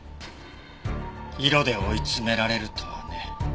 色で追い詰められるとはね。